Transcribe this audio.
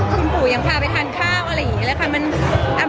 คุณปู่ยังพาไปทานข้าวอะไรอย่างนี้เลยค่ะ